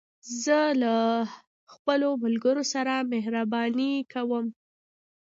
زه له خپلو ملګرو سره مهربانې کوم.